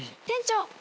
店長。